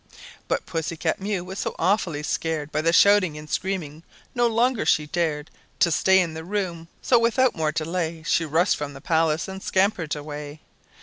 But Pussy cat Mew was so awfully scared By the shouting and screaming, no longer she dared To stay in the room; so without more delay She rushed from the palace and scampered away!